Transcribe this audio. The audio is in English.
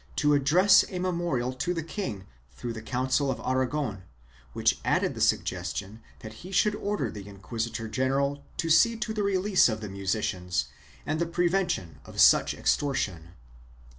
CHAP. II] INVIOLABILITY 367 to address a memorial to the king through the Council of Aragon, which added the suggestion that he should order the inquisitor general to see to the release of the musicians and the prevention of such extortion.